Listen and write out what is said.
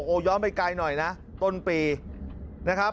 โอ้โหย้อนไปไกลหน่อยนะต้นปีนะครับ